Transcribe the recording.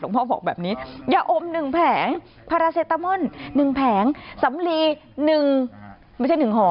หลวงพ่อบอกแบบนี้ยะอมหนึ่งแผงหนึ่งแผงสำลีหนึ่งไม่ใช่หนึ่งห่อ